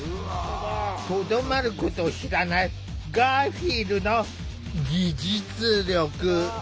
とどまることを知らないガーフィールの技術力。